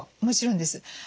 もちろんです。